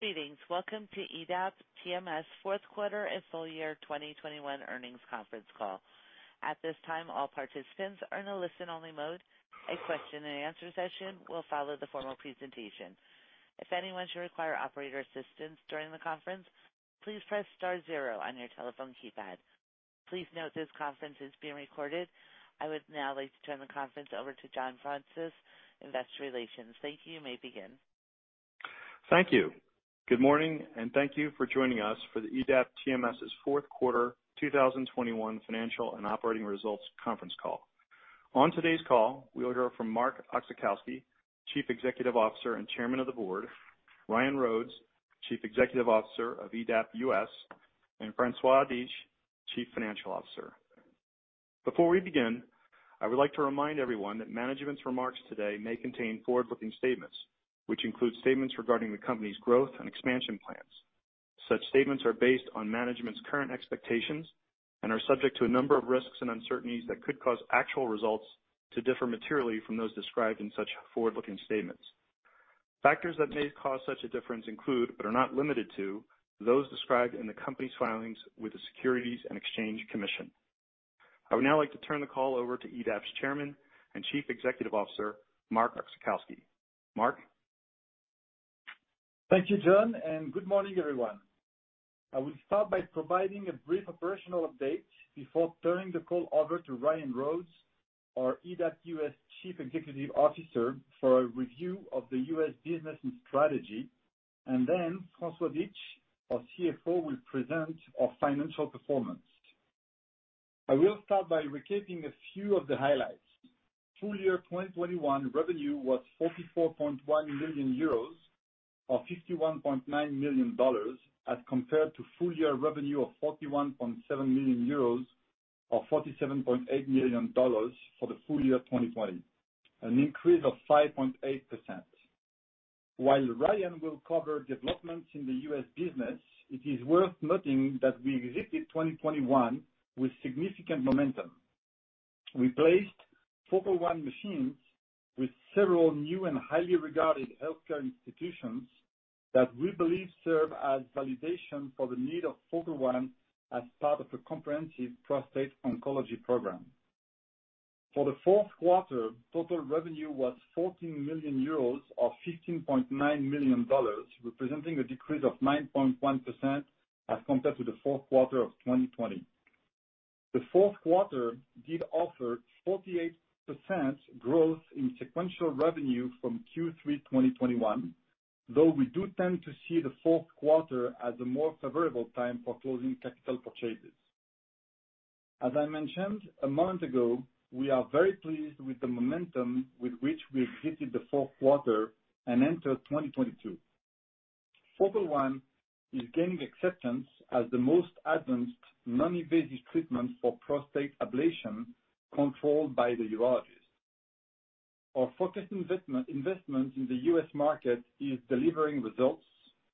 Greetings. Welcome to EDAP TMS' fourth quarter and full year 2021 earnings conference call. At this time, all participants are in a listen-only mode. A question-and-answer session will follow the formal presentation. If anyone should require operator assistance during the conference, please press star zero on your telephone keypad. Please note this conference is being recorded. I would now like to turn the conference over to John Fraunces, Investor Relations. Thank you. You may begin. Thank you. Good morning, and thank you for joining us for the EDAP TMS' fourth quarter 2021 financial and operating results conference call. On today's call, we will hear from Marc Oczachowski, Chief Executive Officer and Chairman of the Board, Ryan Rhodes, Chief Executive Officer of EDAP US, and François Dietsch, Chief Financial Officer. Before we begin, I would like to remind everyone that management's remarks today may contain forward-looking statements, which include statements regarding the company's growth and expansion plans. Such statements are based on management's current expectations and are subject to a number of risks and uncertainties that could cause actual results to differ materially from those described in such forward-looking statements. Factors that may cause such a difference include, but are not limited to, those described in the company's filings with the Securities and Exchange Commission. I would now like to turn the call over to EDAP's Chairman and Chief Executive Officer, Marc Oczachowski. Marc? Thank you, John, and good morning, everyone. I will start by providing a brief operational update before turning the call over to Ryan Rhodes, our EDAP U.S. Chief Executive Officer, for a review of the U.S. business and strategy. François Dietsch, our CFO, will present our financial performance. I will start by recapping a few of the highlights. Full year 2021 revenue was 44.1 million euros or $51.9 million as compared to full year revenue of 41.7 million euros or $47.8 million for the full year 2020. An increase of 5.8%. While Ryan will cover developments in the U.S. business, it is worth noting that we exited 2021 with significant momentum. We placed Focal One machines with several new and highly regarded healthcare institutions that we believe serve as validation for the need of Focal One as part of a comprehensive prostate oncology program. For the fourth quarter, total revenue was 14 million euros or $15.9 million, representing a decrease of 9.1% as compared to the fourth quarter of 2020. The fourth quarter did offer 48% growth in sequential revenue from Q3 2021, though we do tend to see the fourth quarter as a more favorable time for closing capital purchases. As I mentioned a month ago, we are very pleased with the momentum with which we exited the fourth quarter and entered 2022. Focal One is gaining acceptance as the most advanced non-invasive treatment for prostate ablation controlled by the urologist. Our focused investment in the U.S. market is delivering results,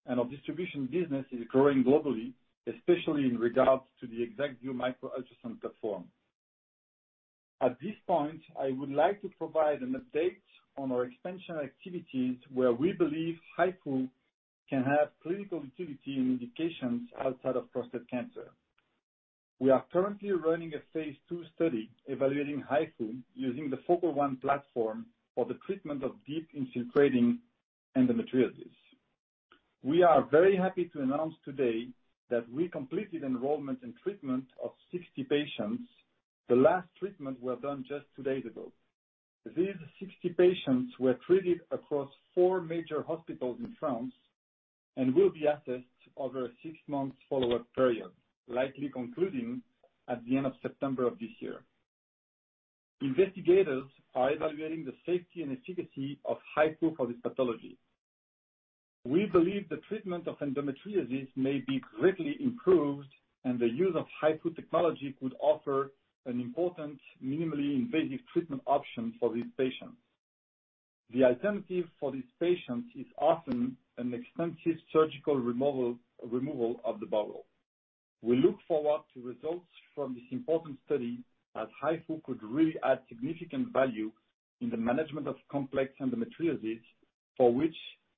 and our distribution business is growing globally, especially in regards to the ExactVu micro-ultrasound platform. At this point, I would like to provide an update on our expansion activities where we believe HIFU can have clinical utility and indications outside of prostate cancer. We are currently running a phase II study evaluating HIFU using the Focal One platform for the treatment of deep infiltrating endometriosis. We are very happy to announce today that we completed enrollment and treatment of 60 patients. The last treatment was done just 2 days ago. These 60 patients were treated across four major hospitals in France and will be assessed over a six-month follow-up period, likely concluding at the end of September of this year. Investigators are evaluating the safety and efficacy of HIFU for this pathology. We believe the treatment of endometriosis may be greatly improved, and the use of HIFU technology could offer an important minimally invasive treatment option for these patients. The alternative for these patients is often an extensive surgical removal of the bowel. We look forward to results from this important study, as HIFU could really add significant value in the management of complex endometriosis for which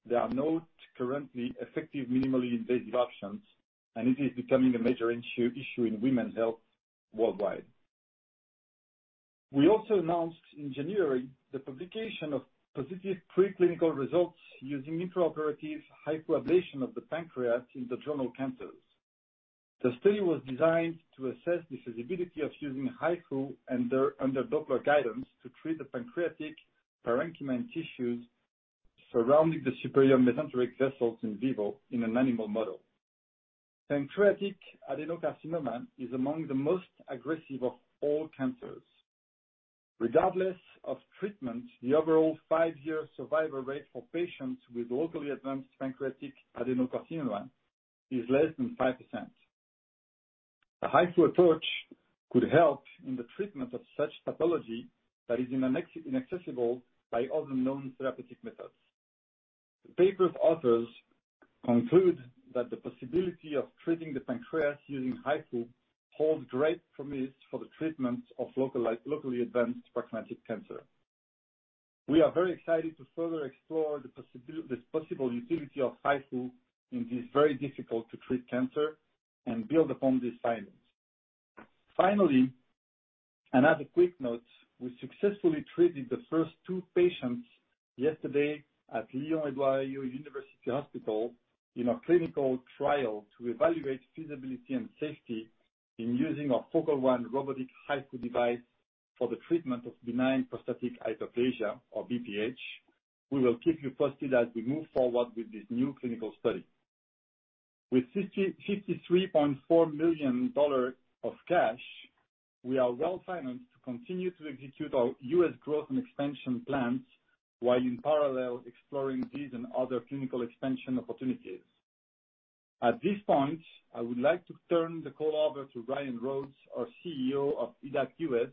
there are no currently effective minimally invasive options, and it is becoming a major issue in women's health worldwide. We also announced in January the publication of positive preclinical results using intraoperative HIFU ablation of the pancreas in the journal Cancers. The study was designed to assess the feasibility of using HIFU under Doppler guidance to treat the pancreatic parenchyma tissues surrounding the superior mesenteric vessels in vivo in an animal model. Pancreatic adenocarcinoma is among the most aggressive of all cancers. Regardless of treatment, the overall five-year survival rate for patients with locally advanced pancreatic adenocarcinoma is less than 5%. The HIFU approach could help in the treatment of such pathology that is inaccessible by other known therapeutic methods. The paper's authors conclude that the possibility of treating the pancreas using HIFU holds great promise for the treatment of locally advanced pancreatic cancer. We are very excited to further explore this possible utility of HIFU in this very difficult to treat cancer and build upon these findings. Finally, as a quick note, we successfully treated the first 2 patients yesterday at Lyon-Édouard Herriot University Hospital in our clinical trial to evaluate feasibility and safety in using our Focal One robotic HIFU device for the treatment of benign prostatic hyperplasia, or BPH. We will keep you posted as we move forward with this new clinical study. With $53.4 million of cash, we are well-financed to continue to execute our U.S. growth and expansion plans, while in parallel, exploring these and other clinical expansion opportunities. At this point, I would like to turn the call over to Ryan Rhodes, our CEO of EDAP U.S.,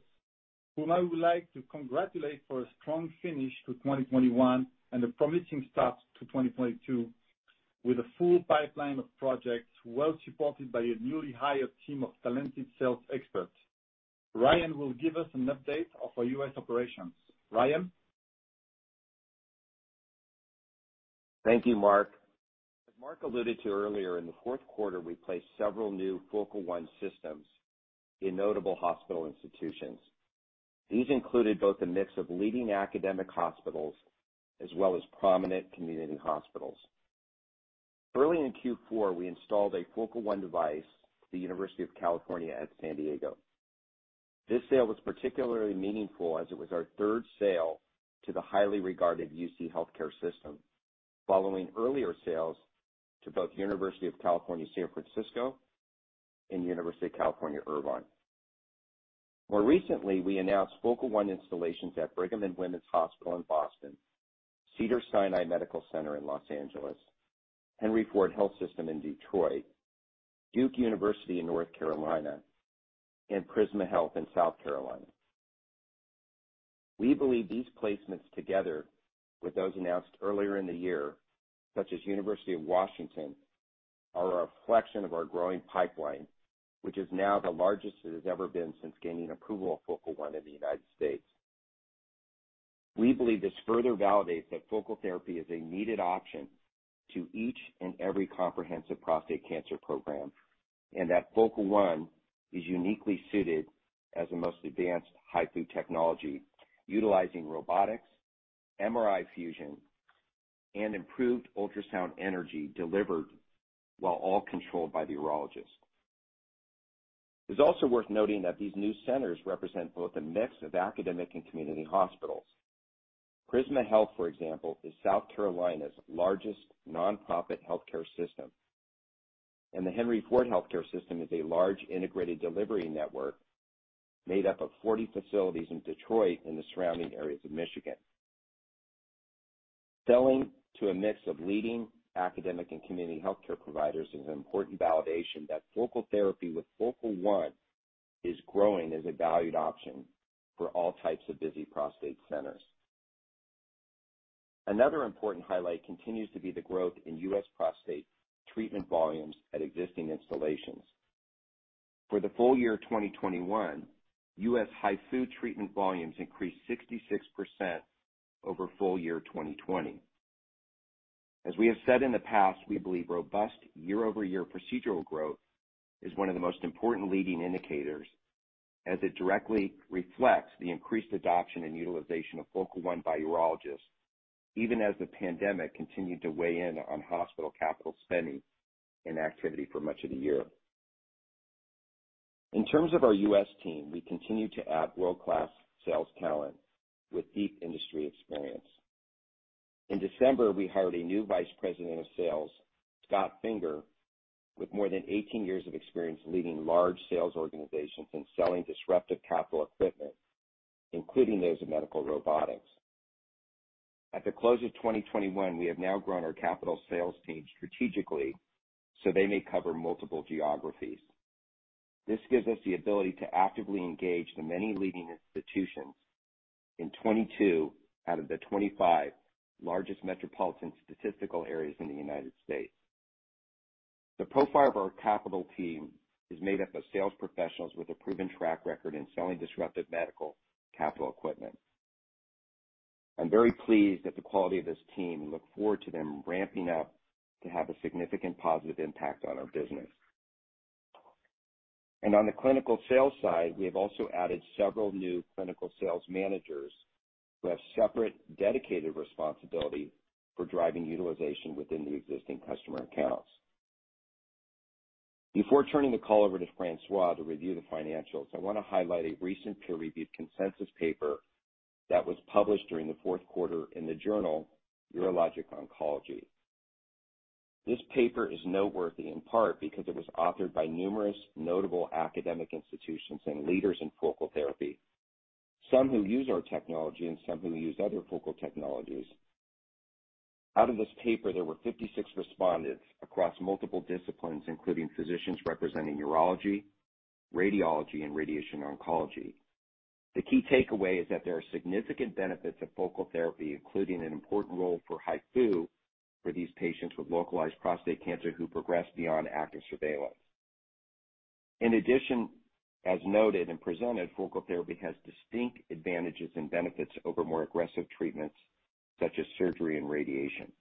whom I would like to congratulate for a strong finish to 2021 and a promising start to 2022, with a full pipeline of projects well supported by a newly hired team of talented sales experts. Ryan will give us an update of our U.S. operations. Ryan? Thank you, Marc. As Marc alluded to earlier, in the fourth quarter, we placed several new Focal One systems in notable hospital institutions. These included both a mix of leading academic hospitals as well as prominent community hospitals. Early in Q4, we installed a Focal One device at the University of California at San Diego. This sale was particularly meaningful as it was our third sale to the highly regarded UC healthcare system, following earlier sales to both University of California, San Francisco and University of California, Irvine. More recently, we announced Focal One installations at Brigham and Women's Hospital in Boston, Cedars-Sinai Medical Center in Los Angeles, Henry Ford Health System in Detroit, Duke University in North Carolina, and Prisma Health in South Carolina. We believe these placements, together with those announced earlier in the year, such as University of Washington, are a reflection of our growing pipeline, which is now the largest it has ever been since gaining approval of Focal One in the United States. We believe this further validates that focal therapy is a needed option to each and every comprehensive prostate cancer program, and that Focal One is uniquely suited as the most advanced HIFU technology, utilizing robotics, MRI fusion, and improved ultrasound energy delivered, while all controlled by the urologist. It's also worth noting that these new centers represent both a mix of academic and community hospitals. Prisma Health, for example, is South Carolina's largest nonprofit healthcare system. The Henry Ford Health System is a large integrated delivery network made up of 40 facilities in Detroit and the surrounding areas of Michigan. Selling to a mix of leading academic and community healthcare providers is an important validation that focal therapy with Focal One is growing as a valued option for all types of busy prostate centers. Another important highlight continues to be the growth in U.S. prostate treatment volumes at existing installations. For the full year 2021, U.S. HIFU treatment volumes increased 66% over full year 2020. As we have said in the past, we believe robust year-over-year procedural growth is one of the most important leading indicators, as it directly reflects the increased adoption and utilization of Focal One by urologists, even as the pandemic continued to weigh in on hospital capital spending and activity for much of the year. In terms of our U.S. team, we continue to add world-class sales talent with deep industry experience. In December, we hired a new vice president of sales, Scott Finger, with more than 18 years of experience leading large sales organizations and selling disruptive capital equipment, including those in medical robotics. At the close of 2021, we have now grown our capital sales team strategically so they may cover multiple geographies. This gives us the ability to actively engage the many leading institutions in 22 out of the 25 largest metropolitan statistical areas in the United States. The profile of our capital team is made up of sales professionals with a proven track record in selling disruptive medical capital equipment. I'm very pleased at the quality of this team and look forward to them ramping up to have a significant positive impact on our business. On the clinical sales side, we have also added several new clinical sales managers who have separate, dedicated responsibility for driving utilization within the existing customer accounts. Before turning the call over to François to review the financials, I want to highlight a recent peer-reviewed consensus paper that was published during the fourth quarter in the journal Urologic Oncology. This paper is noteworthy in part because it was authored by numerous notable academic institutions and leaders in focal therapy, some who use our technology and some who use other focal technologies. Out of this paper, there were 56 respondents across multiple disciplines, including physicians representing urology, radiology, and radiation oncology. The key takeaway is that there are significant benefits of focal therapy, including an important role for HIFU, for these patients with localized prostate cancer who progress beyond active surveillance. In addition, as noted and presented, focal therapy has distinct advantages and benefits over more aggressive treatments such as surgery and radiation.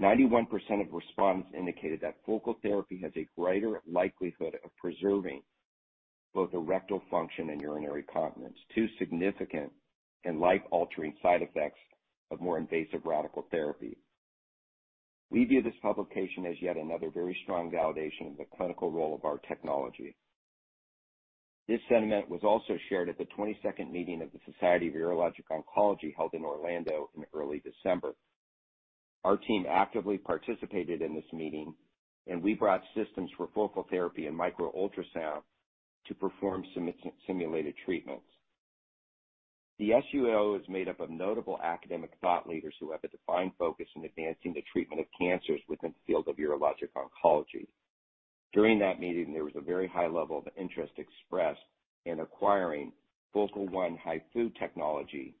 91% of respondents indicated that focal therapy has a greater likelihood of preserving both erectile function and urinary continence to significant and life-altering side effects of more invasive radical therapy. We view this publication as yet another very strong validation of the clinical role of our technology. This sentiment was also shared at the 22nd meeting of the Society of Urologic Oncology held in Orlando in early December. Our team actively participated in this meeting, and we brought systems for focal therapy and micro-ultrasound to perform simulated treatments. The SUO is made up of notable academic thought leaders who have a defined focus in advancing the treatment of cancers within the field of urologic oncology. During that meeting, there was a very high level of interest expressed in acquiring Focal One HIFU technology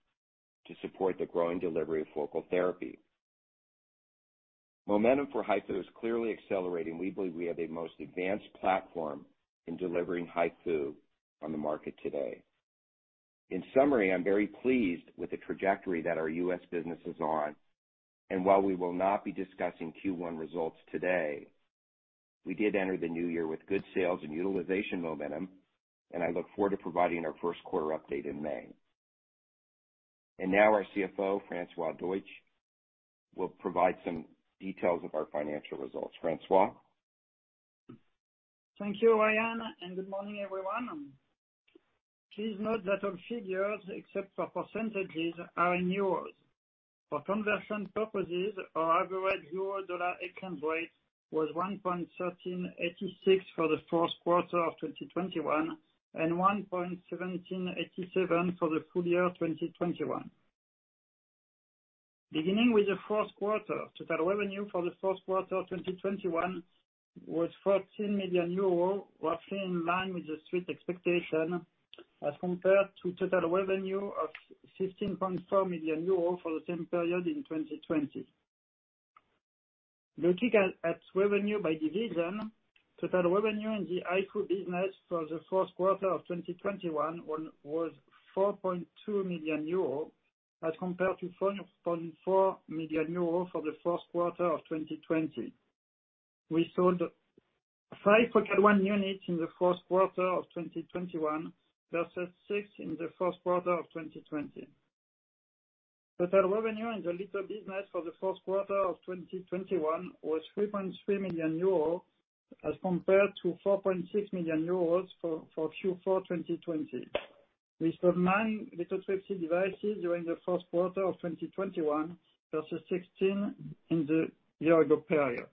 to support the growing delivery of focal therapy. Momentum for HIFU is clearly accelerating. We believe we have a most advanced platform in delivering HIFU on the market today. In summary, I'm very pleased with the trajectory that our U.S. business is on. While we will not be discussing Q1 results today, we did enter the new year with good sales and utilization momentum, and I look forward to providing our first quarter update in May. Now our CFO, François Dietsch, will provide some details of our financial results. François? Thank you, Ryan, and good morning, everyone. Please note that our figures, except for percentages, are in euros. For conversion purposes, our average euro-dollar exchange rate was 1.1386 for the first quarter of 2021, and 1.1787 for the full year 2021. Beginning with the first quarter, total revenue for the first quarter of 2021 was 14 million euros, roughly in line with the street expectation as compared to total revenue of 15.4 million euros for the same period in 2020. Looking at revenue by division, total revenue in the HIFU business for the first quarter of 2021 was 4.2 million euro, as compared to 4.4 million euro for the first quarter of 2020. We sold five Focal One units in the first quarter of 2021 versus six in the first quarter of 2020. Total revenue in the Litho business for the first quarter of 2021 was 3.3 million euros, as compared to 4.6 million euros for Q4 2020. We sold nine Lithotripsy devices during the first quarter of 2021 versus 16 in the year ago period.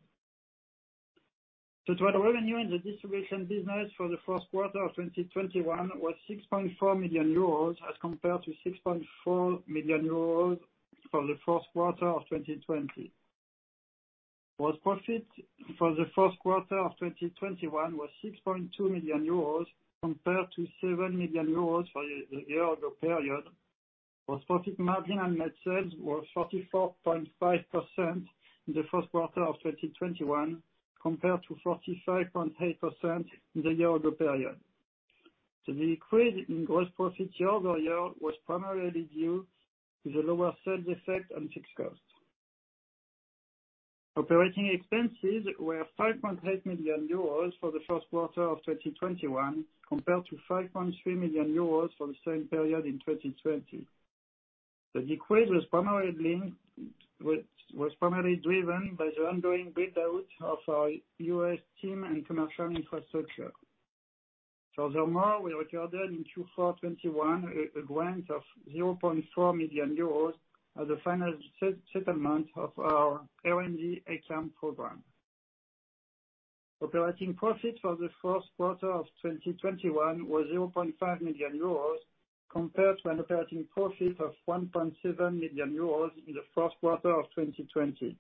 Total revenue in the distribution business for the first quarter of 2021 was 6.4 million euros as compared to 6.4 million euros for the first quarter of 2020. Gross profit for the first quarter of 2021 was 6.2 million euros compared to 7 million euros for the year ago period. Gross profit margin on net sales was 44.5% in the first quarter of 2021 compared to 45.8% in the year ago period. The decrease in gross profit year-over-year was primarily due to the lower sales effect on fixed costs. Operating expenses were 5.8 million euros for the first quarter of 2021 compared to 5.3 million euros for the same period in 2020. The decrease was primarily driven by the ongoing build-out of our U.S. team and commercial infrastructure. Furthermore, we recorded in Q4 2021 a grant of 0.4 million euros as a final settlement of our CIR program. Operating profit for the first quarter of 2021 was 0.5 million euros compared to an operating profit of 1.7 million euros in the first quarter of 2020.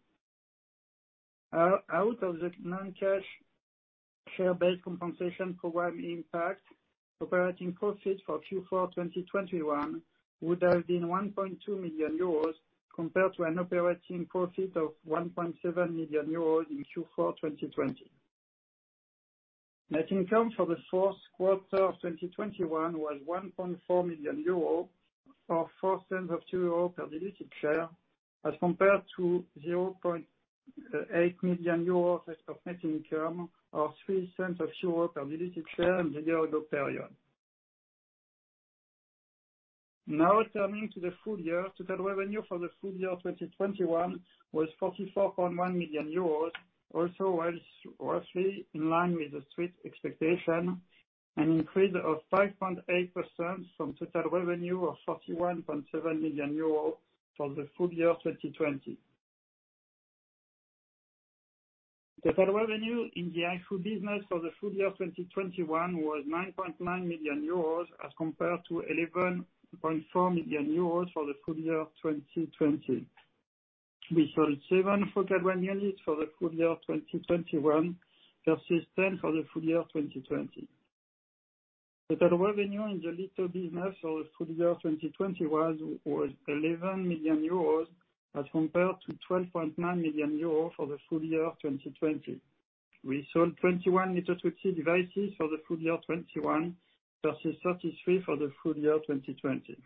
Excluding the non-cash share-based compensation program impact, operating profit for Q4 2021 would have been 1.2 million euros compared to an operating profit of 1.7 million euros in Q4 2020. Net income for the fourth quarter of 2021 was 1.4 million euro or 4 euro cents per diluted share as compared to 0.8 million euro of net income or 0.3 per diluted share in the year ago period. Now turning to the full year. Total revenue for the full year 2021 was 44.1 million euros, which also was roughly in line with the street expectation, an increase of 5.8% from total revenue of 41.7 million euros for the full year 2020. Total revenue in the HIFU business for the full year 2021 was 9.9 million euros as compared to 11.4 million euros for the full year 2020. We sold 7 Focal One units for the full year 2021 versus 10 for the full year 2020. Total revenue in the Litho business for the full year 2020 was 11 million euros as compared to 12.9 million euros for the full year 2020. We sold 21 Lithotripsy devices for the full year 2021 versus 33 for the full year 2020.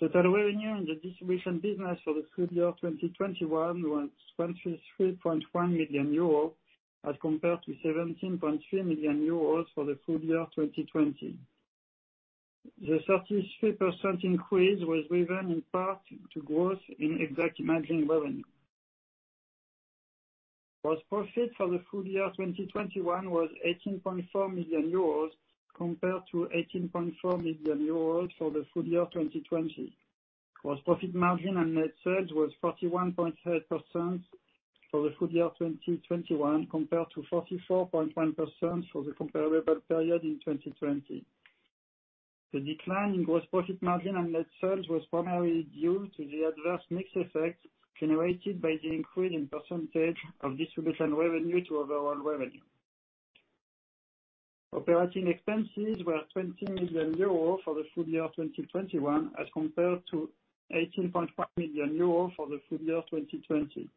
Total revenue in the distribution business for the full year 2021 was 23.1 million euros as compared to 17.3 million euros for the full year 2020. The 33% increase was driven in part to growth in Exact Imaging revenue. Gross profit for the full year 2021 was 18.4 million euros compared to 18.4 million euros for the full year 2020. Gross profit margin and net sales was 41.3% for the full year 2021 compared to 44.1% for the comparable period in 2020. The decline in gross profit margin and net sales was primarily due to the adverse mix effect generated by the increase in percentage of distribution revenue to overall revenue. Operating expenses were 20 million euro for the full year 2021, as compared to 18.5 million euro for the full year 2020.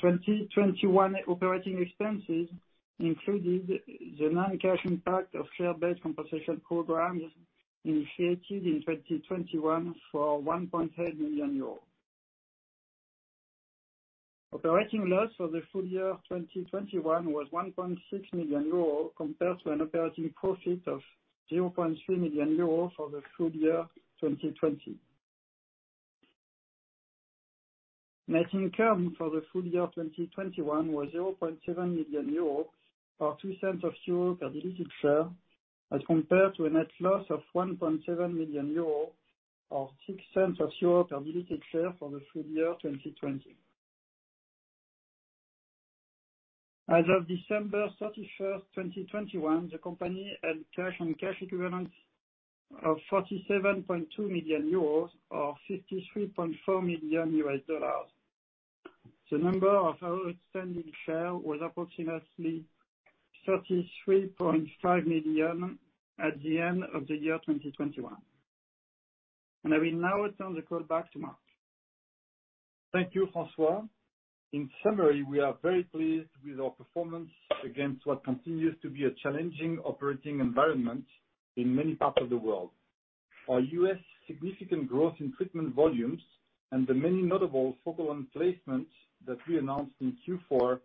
2021 operating expenses included the non-cash impact of share-based compensation programs initiated in 2021 for EUR 1.3 million. Operating loss for the full year 2021 was 1.6 million euro, compared to an operating profit of 0.3 million euro for the full year 2020. Net income for the full year 2021 was 0.7 million euro, or 0.02 per diluted share, as compared to a net loss of 1.7 million euro or 0.06 per diluted share for the full year 2020. As of December 31st, 2021, the company had cash and cash equivalents of 47.2 million euros or $53.4 million. The number of our outstanding share was approximately 33.5 million at the end of the year 2021. I will now return the call back to Marc. Thank you, François. In summary, we are very pleased with our performance against what continues to be a challenging operating environment in many parts of the world. Our U.S. significant growth in treatment volumes and the many notable Focal One placements that we announced in Q4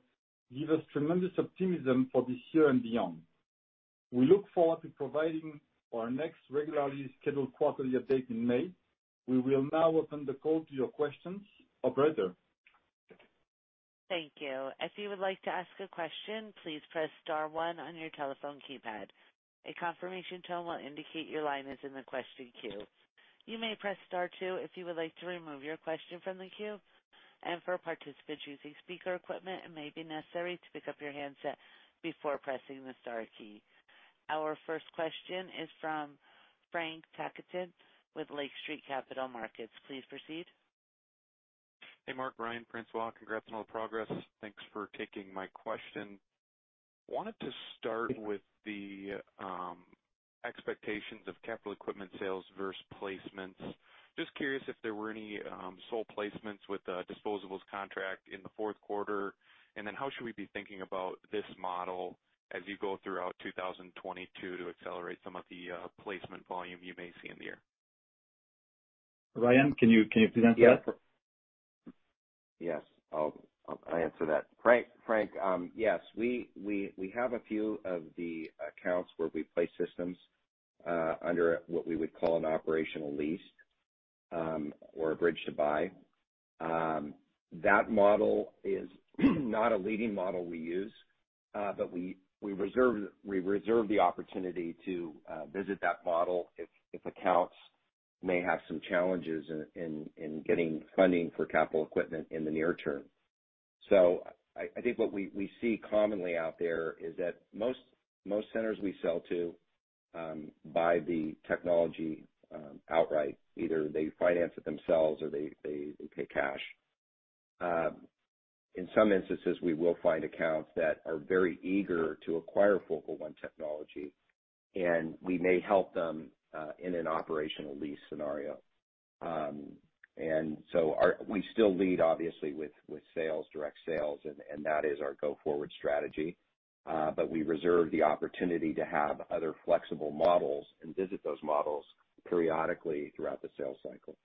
give us tremendous optimism for this year and beyond. We look forward to providing our next regularly scheduled quarterly update in May. We will now open the call to your questions. Operator. Thank you. If you would like to ask a question, please press star one on your telephone keypad. A confirmation tone will indicate your line is in the question queue. You may press star two if you would like to remove your question from the queue. For participants using speaker equipment, it may be necessary to pick up your handset before pressing the star key. Our first question is from Frank Takkinen with Lake Street Capital Markets. Please proceed. Hey, Marc. Ryan. Francois. Congrats on all the progress. Thanks for taking my question. Wanted to start with the expectations of capital equipment sales versus placements. Just curious if there were any sold placements with the disposables contract in the fourth quarter, and then how should we be thinking about this model as you go throughout 2022 to accelerate some of the placement volume you may see in the year? Ryan, can you answer that? Yes, I'll answer that. Frank, yes, we have a few of the accounts where we place systems under what we would call an operating lease or a bridge to buy. That model is not a leading model we use, but we reserve the opportunity to visit that model if accounts may have some challenges in getting funding for capital equipment in the near term. I think what we see commonly out there is that most centers we sell to buy the technology outright. Either they finance it themselves or they pay cash. In some instances, we will find accounts that are very eager to acquire Focal One technology, and we may help them in an operating lease scenario. We still lead obviously with sales, direct sales, and that is our go-forward strategy. But we reserve the opportunity to have other flexible models and visit those models periodically throughout the sales cycle.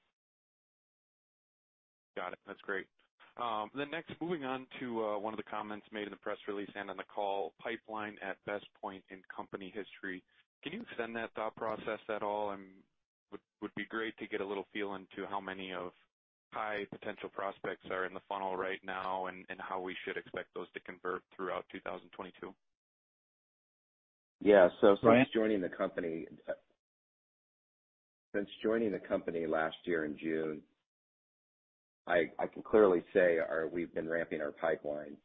Got it. That's great. Next, moving on to one of the comments made in the press release and on the call pipeline at best point in company history. Can you extend that thought process at all? Would be great to get a little feeling to how many of high potential prospects are in the funnel right now and how we should expect those to convert throughout 2022. Yeah. Since joining the company last year in June, I can clearly say we've been ramping our pipeline.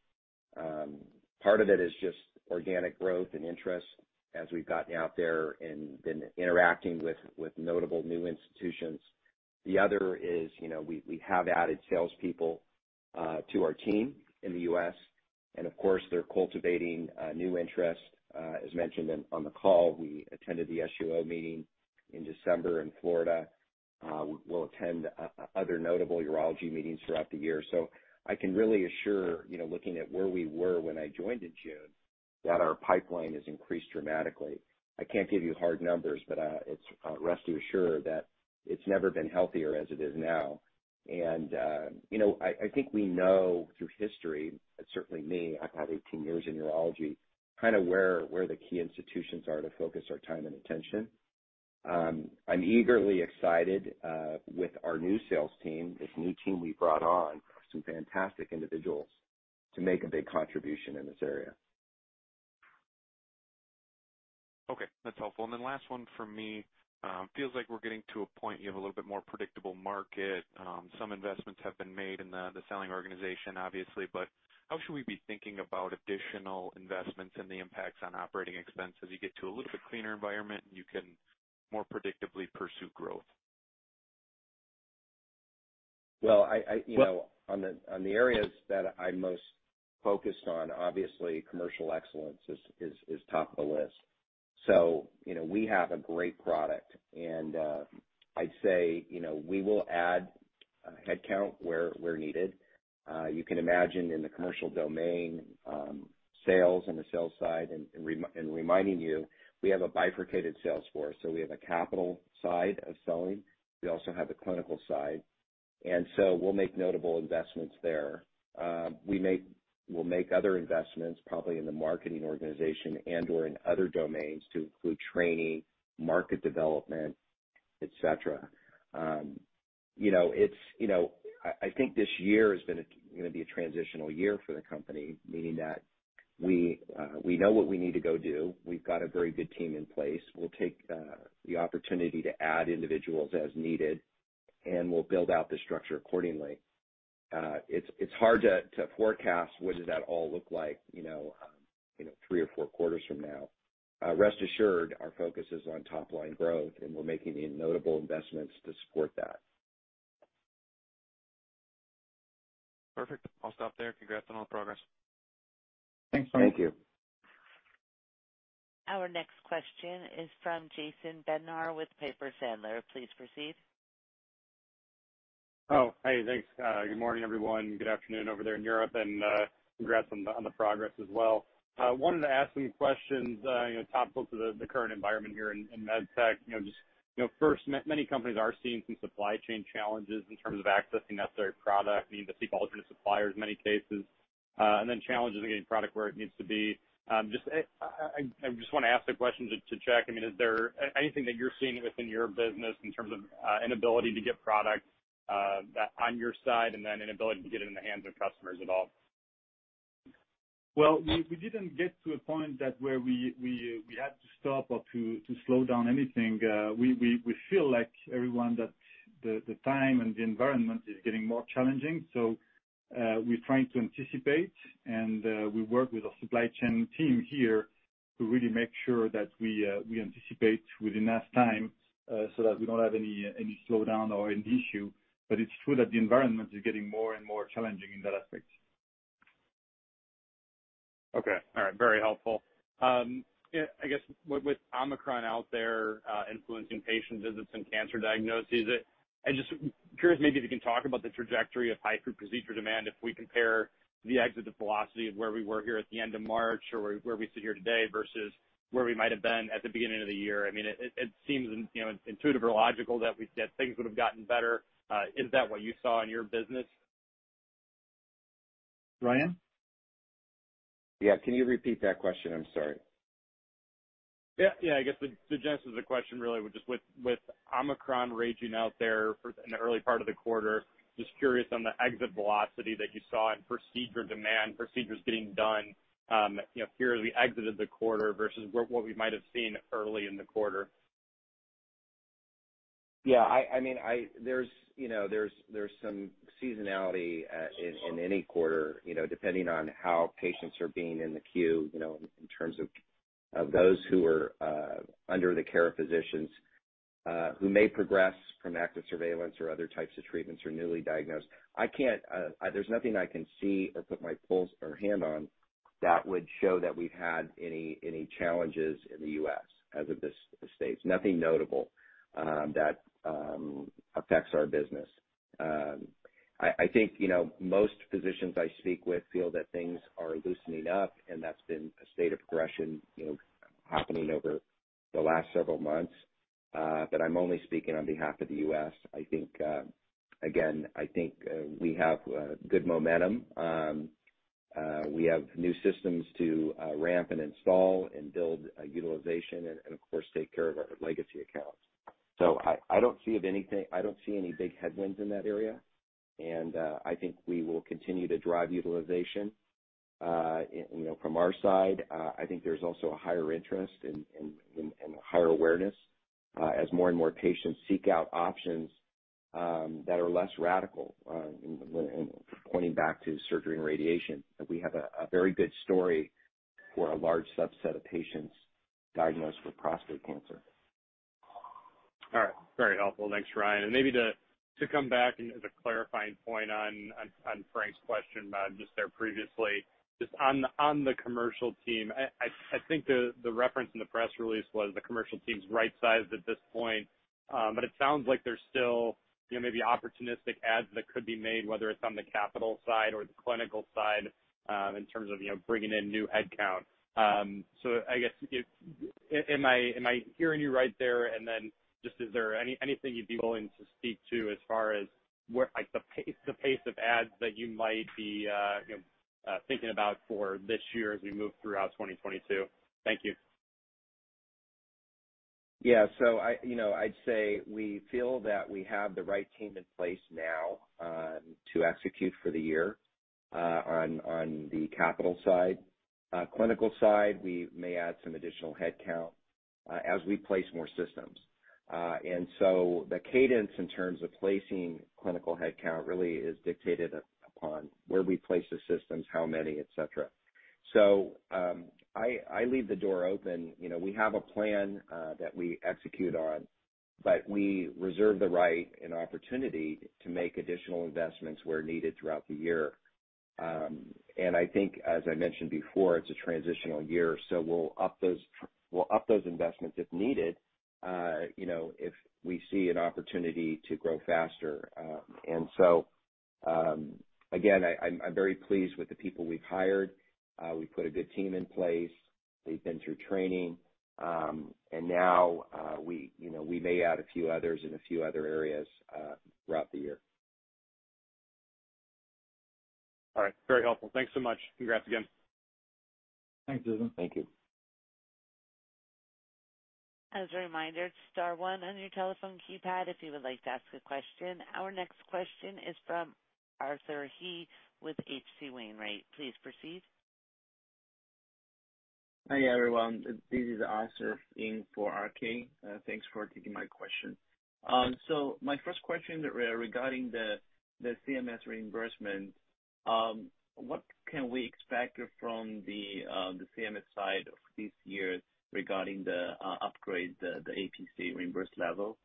Part of it is just organic growth and interest as we've gotten out there and been interacting with notable new institutions. The other is, you know, we have added salespeople to our team in the U.S., and of course, they're cultivating new interest. As mentioned on the call, we attended the SUO meeting in December in Florida. We'll attend other notable urology meetings throughout the year. I can really assure, you know, looking at where we were when I joined in June, that our pipeline has increased dramatically. I can't give you hard numbers, but rest assured that it's never been healthier as it is now. You know, I think we know through history, certainly me, I've had 18 years in urology, kind of where the key institutions are to focus our time and attention. I'm eagerly excited with our new sales team, this new team we brought on, some fantastic individuals, to make a big contribution in this area. Okay, that's helpful. Last one from me. Feels like we're getting to a point you have a little bit more predictable market. Some investments have been made in the selling organization, obviously. How should we be thinking about additional investments and the impacts on operating expense as you get to a little bit cleaner environment and you can more predictably pursue growth? I, you know, on the areas that I'm most focused on, obviously commercial excellence is top of the list. You know, we have a great product and, I'd say, you know, we will add headcount where needed. You can imagine in the commercial domain, sales and the sales side and reminding you, we have a bifurcated sales force. We have a capital side of selling. We also have the clinical side, and so we'll make notable investments there. We'll make other investments probably in the marketing organization and or in other domains to include training, market development, et cetera. You know, it's, you know. I think this year is gonna be a transitional year for the company, meaning that we know what we need to go do. We've got a very good team in place. We'll take the opportunity to add individuals as needed, and we'll build out the structure accordingly. It's hard to forecast what does that all look like, you know, you know, three or four quarters from now. Rest assured our focus is on top line growth, and we're making the notable investments to support that. Perfect. I'll stop there. Congrats on all the progress. Thanks. Thank you. Our next question is from Jason Bednar with Piper Sandler. Please proceed. Oh, hey, thanks. Good morning, everyone. Good afternoon over there in Europe. Congrats on the, on the progress as well. I wanted to ask some questions, you know, topical to the current environment here in med tech. You know, just, you know, first, many companies are seeing some supply chain challenges in terms of accessing necessary product, needing to seek alternate suppliers in many cases, and then challenges of getting product where it needs to be. Just, I just wanna ask the question to check. I mean, is there anything that you're seeing within your business in terms of inability to get product on your side and then inability to get it in the hands of customers at all? Well, we didn't get to a point where we had to stop or to slow down anything. We feel like everyone that the time and the environment is getting more challenging. We're trying to anticipate, and we work with our supply chain team here to really make sure that we anticipate with enough time, so that we don't have any slowdown or any issue. It's true that the environment is getting more and more challenging in that aspect. Okay. All right. Very helpful. Yeah, I guess with Omicron out there influencing patient visits and cancer diagnoses, I'm just curious, maybe if you can talk about the trajectory of HIFU procedure demand if we compare the exit velocity of where we were here at the end of March or where we sit here today versus where we might have been at the beginning of the year. I mean, it seems, you know, intuitive or logical that things would have gotten better. Is that what you saw in your business? Ryan? Yeah. Can you repeat that question? I'm sorry. Yeah. I guess the genesis of the question really was just with Omicron raging out there in the early part of the quarter, just curious on the exit velocity that you saw in procedure demand, procedures getting done, you know, here as we exited the quarter versus what we might have seen early in the quarter. Yeah, I mean, there's some seasonality in any quarter, you know, depending on how patients are being put in the queue, you know, in terms of those who are under the care of physicians who may progress from active surveillance or other types of treatments or newly diagnosed. I can't put my finger on anything that would show that we've had any challenges in the U.S. as of this stage. Nothing notable that affects our business. I think, you know, most physicians I speak with feel that things are loosening up, and that's been a state of progression, you know, happening over the last several months. I'm only speaking on behalf of the U.S. I think again we have good momentum. We have new systems to ramp and install and build utilization and of course take care of our legacy accounts. I don't see anything. I don't see any big headwinds in that area. I think we will continue to drive utilization you know from our side. I think there's also a higher interest and a higher awareness as more and more patients seek out options that are less radical pointing back to surgery and radiation that we have a very good story for a large subset of patients diagnosed with prostate cancer. All right. Very helpful. Thanks, Ryan. Maybe to come back and as a clarifying point on Frank's question just there previously, just on the commercial team. I think the reference in the press release was the commercial team's right-sized at this point. But it sounds like there's still, you know, maybe opportunistic adds that could be made, whether it's on the capital side or the clinical side, in terms of, you know, bringing in new headcount. So I guess am I hearing you right there? Just is there anything you'd be willing to speak to as far as where like the pace of adds that you might be, you know, thinking about for this year as we move throughout 2022? Thank you. Yeah. I, you know, I'd say we feel that we have the right team in place now, to execute for the year, on the capital side. Clinical side, we may add some additional headcount, as we place more systems. The cadence in terms of placing clinical headcount really is dictated upon where we place the systems, how many, et cetera. I leave the door open. You know, we have a plan, that we execute on, but we reserve the right and opportunity to make additional investments where needed throughout the year. I think as I mentioned before, it's a transitional year, we'll up those investments if needed, you know, if we see an opportunity to grow faster. Again, I'm very pleased with the people we've hired. We've put a good team in place. They've been through training. We, you know, may add a few others in a few other areas throughout the year. All right. Very helpful. Thanks so much. Congrats again. Thanks, Susan. Thank you. As a reminder, star one on your telephone keypad if you would like to ask a question. Our next question is from Arthur He with H.C. Wainwright. Please proceed. Hi, everyone. This is Arthur He for RK. Thanks for taking my question. My first question regarding the CMS reimbursement, what can we expect from the CMS side of this year regarding the upgrade to the APC reimbursement level?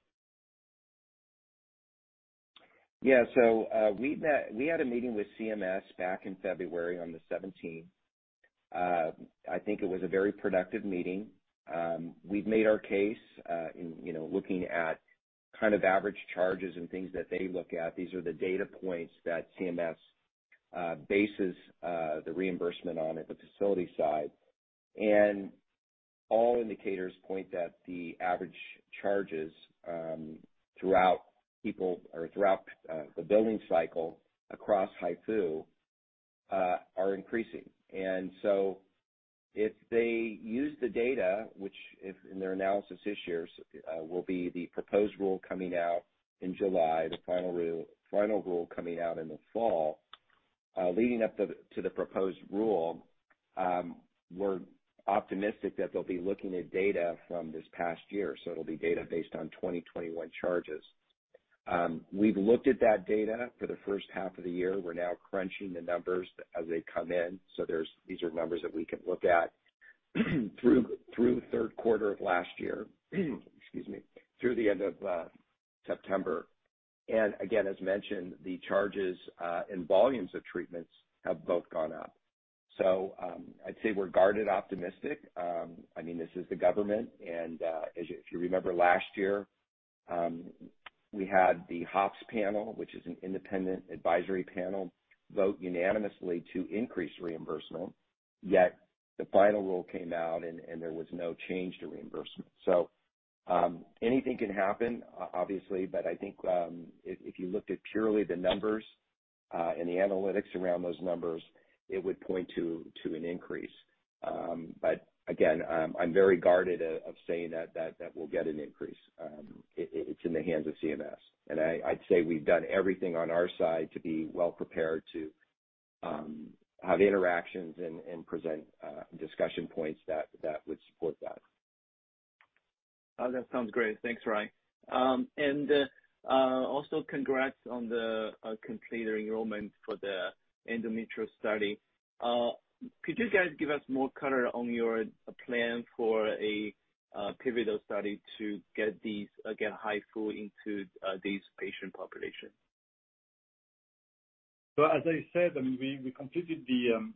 We had a meeting with CMS back in February 17. I think it was a very productive meeting. We've made our case, you know, looking at kind of average charges and things that they look at. These are the data points that CMS bases the reimbursement on at the facility side. All indicators point that the average charges throughout the billing cycle across HIFU are increasing. If they use the data, which in their analysis this year will be the proposed rule coming out in July, the final rule coming out in the fall. Leading up to the proposed rule, we're optimistic that they'll be looking at data from this past year. It'll be data based on 2021 charges. We've looked at that data for the first half of the year. We're now crunching the numbers as they come in. These are numbers that we can look at through third quarter of last year, through the end of September. Again, as mentioned, the charges and volumes of treatments have both gone up. I'd say we're cautiously optimistic. I mean, this is the government and, as you if you remember last year, we had the HOP Panel, which is an independent advisory panel, vote unanimously to increase reimbursement. Yet the final rule came out and there was no change to reimbursement. Anything can happen obviously, but I think, if you looked at purely the numbers and the analytics around those numbers, it would point to an increase. But again, I'm very guarded of saying that we'll get an increase. It's in the hands of CMS. I'd say we've done everything on our side to be well prepared to have interactions and present discussion points that would support that. Oh, that sounds great. Thanks, Ryan. Also congrats on the completed enrollment for the endometriosis study. Could you guys give us more color on your plan for a pivotal study to get HIFU into these patient population? As I said, I mean, we completed the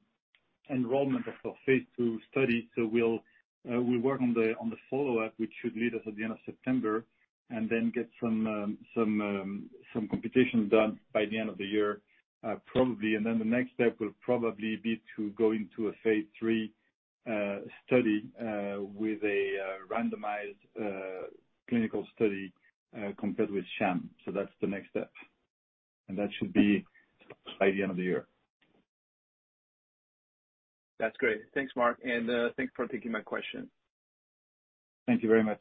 enrollment of our phase II study. We'll work on the follow-up, which should lead us at the end of September, and then get some computation done by the end of the year, probably. The next step will probably be to go into a phase III study with a randomized clinical study compared with sham. That's the next step. That should be by the end of the year. That's great. Thanks, Marc, and thanks for taking my question. Thank you very much.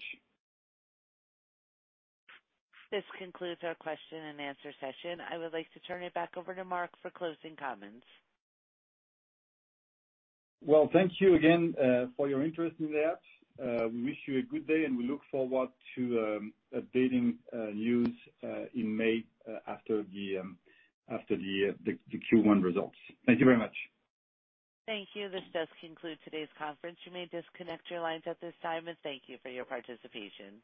This concludes our question-and-answer session. I would like to turn it back over to Marc for closing comments. Well, thank you again for your interest in that. We wish you a good day, and we look forward to updating news in May after the Q1 results. Thank you very much. Thank you. This does conclude today's conference. You may disconnect your lines at this time, and thank you for your participation.